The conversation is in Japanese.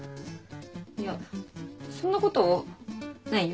いやそんなことないよ。